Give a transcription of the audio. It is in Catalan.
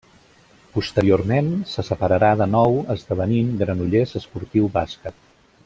Posteriorment se separarà de nou esdevenint Granollers Esportiu Bàsquet.